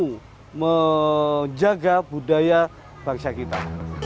untuk menjaga budaya bangsa kita